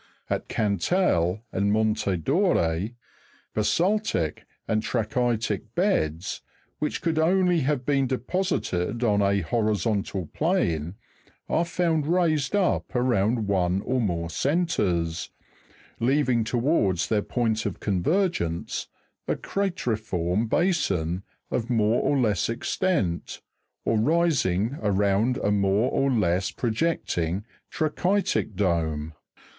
At Cantal and Monte Dore, basa'ltic and tra'chytic beds, which could only have been deposited on a horizontal plane, are found raised up around one or more centres, leaving towards their point of convergence a crate'riform. basin of more or less extent, or rising around a more or less pro ^^ jecting tra'chytic dome (fig.